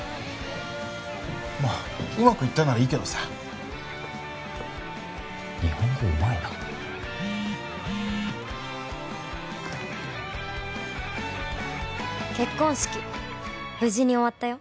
まあうまくいったならいいけどさ日本語うまいな「結婚式無事に終わったよ」